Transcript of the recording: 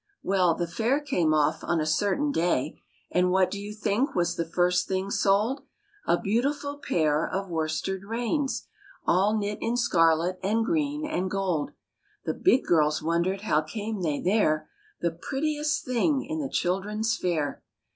Well, the fair came off on a certain day, And what do you think was the first thing sold? A beautiful pair of worsted reins, All knit in scarlet and green and gold. The "big girls" wondered how came they there "The prettiest thing in the children's fair!"